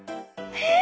え！